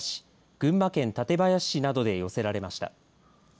群馬県館林市などで寄せられました。